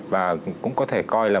và cũng có thể coi là